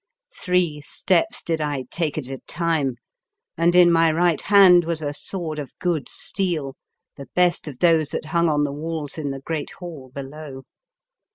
Three steps did I take at a time, and in my right hand was a sword of good steel, the best of those that hung on the walls in the great hall below.